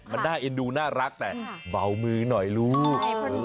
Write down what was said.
มันน่าเอ็นดูน่ารักแต่เบามือหน่อยลูก